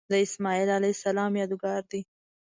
د اسمیل علیه السلام یادګار دی.